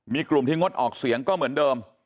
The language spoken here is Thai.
มีกลุ่มที่งดออกเสียงก็เหมือนเดิม